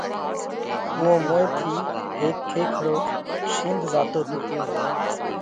اُوئون موئين ٿِي هيڪ کيکڙو شينڌ زاتو تو۔